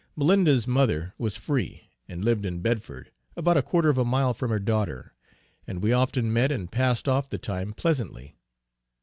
Malinda's mother was free, and lived in Bedford, about a quarter of a mile from her daughter; and we often met and passed off the time pleasantly.